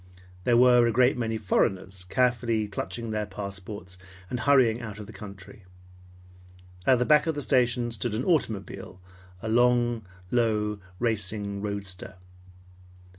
There were a great many foreigners carefully clutching their transports and hurrying out of the country. At the back of the station stood an automobile, a low, racing roadster.